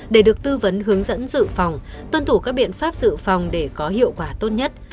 để được tư vấn hướng dẫn dự phòng tuân thủ các biện pháp dự phòng để có hiệu quả tốt nhất